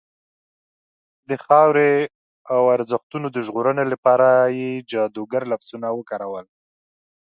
د خاورې او ارزښتونو د ژغورنې لپاره یې جادوګر لفظونه وکارول.